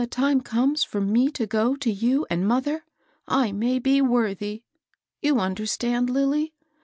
time comes for me to go to you and mother, I may be worthy^ — you under stand, Lilly